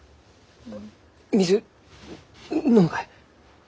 水飲むかえ？